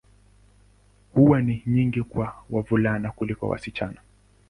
Huwa ni nyingi kwa wavulana kuliko wasichana.